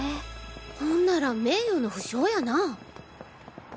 ほんなら名誉の負傷やな。